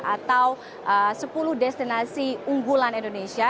atau sepuluh destinasi unggulan indonesia